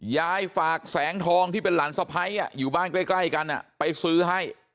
ยายฝากแสงทองที่เป็นหลานสะพ้ายอยู่บ้านใกล้กันไปซื้อให้